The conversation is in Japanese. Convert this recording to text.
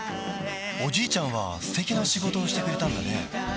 おじいちゃんは素敵な仕事をしてくれたんだね